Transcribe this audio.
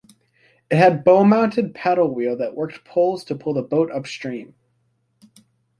It had a bow-mounted paddlewheel that worked poles to pull the boat upstream.